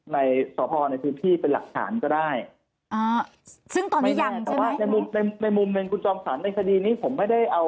ในสอบภอร์ในที่ที่เป็นหลักฐานก็ได้อ่าซึ่งตอนนี้ยังใช่ไหมไม่ใช่แต่ว่าในมุมในมุมในคุณจอมศาลในสดีนี้ผมไม่ได้เอา